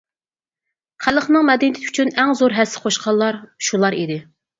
خەلقنىڭ مەدەنىيىتى ئۈچۈن ئەڭ زور ھەسسە قوشقانلار شۇلار ئىدى.